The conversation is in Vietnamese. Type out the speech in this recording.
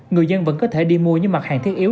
người dân vẫn có thể đi mua những mặt hàng thiết yếu